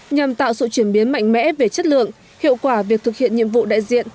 nhằm tạo sự chuyển biến mạnh mẽ về chất lượng hiệu quả việc thực hiện nhiệm vụ đại diện